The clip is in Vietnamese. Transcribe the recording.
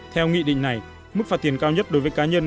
theo nghị định này mức phạt tiền cao nhất đối với cá nhân